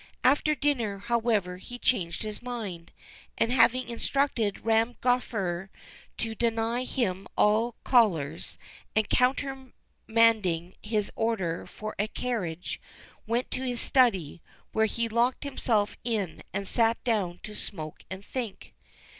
After dinner, however, he changed his mind, and having instructed Ram Gafur to deny him to all callers, and countermanding his order for his carriage, went to his study, where he locked himself in and sat down to smoke and think.